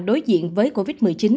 đối diện với covid một mươi chín